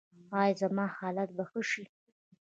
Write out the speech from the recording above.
ایا زما حالت به ښه شي؟